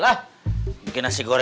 lapar jam segini